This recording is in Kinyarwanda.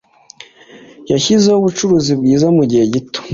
Yashizeho ubucuruzi bwiza mugihe gito.